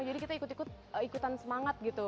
jadi kita ikut ikutan semangat gitu